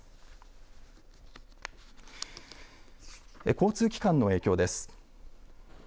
交通機関の影響です。